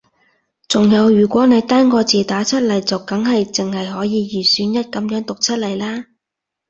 仲有如果你單個字打出嚟佢就梗係淨係可以二選一噉讀出嚟啦